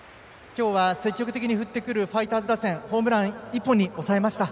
きょうは積極的に振ってくるファイターズ打線ホームラン１本に抑えました。